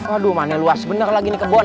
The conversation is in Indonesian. aduh mana luas bener lagi ini kebon